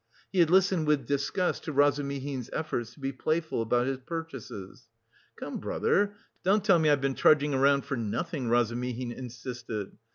He had listened with disgust to Razumihin's efforts to be playful about his purchases. "Come, brother, don't tell me I've been trudging around for nothing," Razumihin insisted.